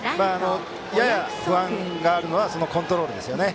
やや不安があるのはコントロールですよね。